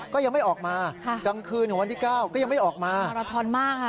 ก็ยังไม่ออกมาค่ะกลางคืนของวันที่เก้าก็ยังไม่ออกมาราทอนมากค่ะ